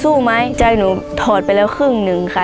ไหมใจหนูถอดไปแล้วครึ่งหนึ่งค่ะ